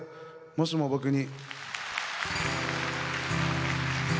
「もしも僕に」。